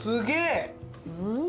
うん。